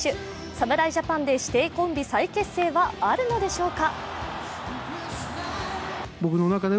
侍ジャパンで師弟コンビ再結成はあるのでしょうか。